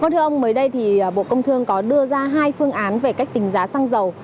thưa ông mới đây thì bộ công thương có đưa ra hai phương án về cách tính giá xăng dầu